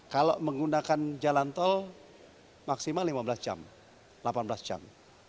kalau menggunakan jalan tol maksimal lima belas jam delapan belas jam